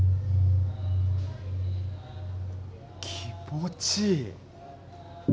気持ちいい。